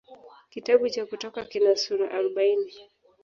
Kitabu cha Kutoka kina sura arobaini.